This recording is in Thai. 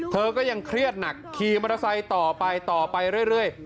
เธอก็ยังเครียดหนักขี่มอเตอร์ไซค์ต่อไปต่อไปเรื่อย